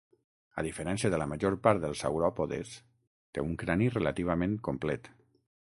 A diferència de la major part dels sauròpodes, té un crani relativament complet.